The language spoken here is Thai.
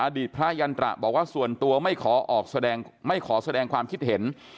อดีตพระยันตระบอกว่าส่วนตัวไม่ขอแสดงความคิดเห็น